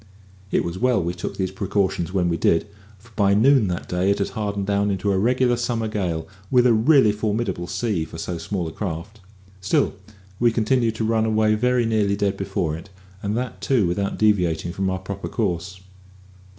It was well we took these precautions when we did, for by noon that day it had hardened down into a regular summer gale, with a really formidable sea for so small a craft. Still, we continued to run away very nearly dead before it, and that too without deviating from our proper course.